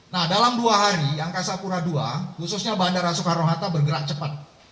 nah dalam dua hari yang kasapura dua khususnya bandara soekarno hatta bergerak cepat